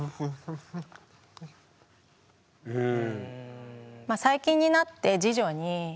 うん。